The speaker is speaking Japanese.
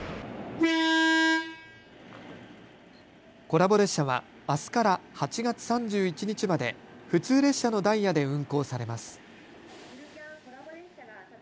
コラボ列車はあすから８月３１日まで普通列車のダイヤで運行されます。